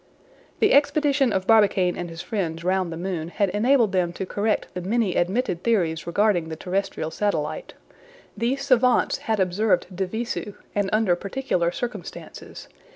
The expedition of Barbicane and his friends round the moon had enabled them to correct the many admitted theories regarding the terrestrial satellite. These savants had observed de visu, and under particular circumstances.